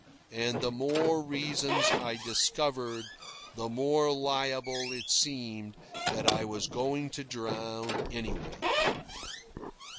And the more reasons I discovered, the more liable it seemed that I was going to drown anyway.